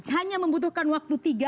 hanya membutuhkan waktu tiga